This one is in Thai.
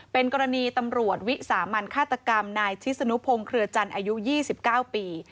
เป็นกรณีตำรวจวิสามันฆาตกรรมนายชิศนุพงศ์เครือจันทร์อายุ๒๙ปี